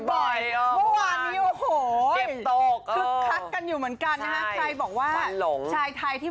เมื่อวานนี้โอ้ยเก็บโต๊ะ